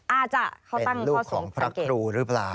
อาจจะเขาตั้งเข้าสูงสังเกตเป็นลูกของพระครูหรือเปล่า